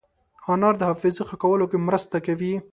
انار د حافظې ښه کولو کې مرسته کوي.